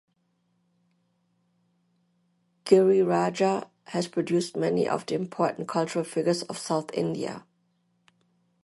Giriraja has produced many of the important cultural figures of South India.